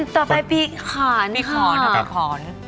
ต่อไปปีขาคคะต่อไปขอน